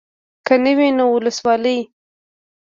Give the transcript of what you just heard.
که نه وي نو اولسوالي.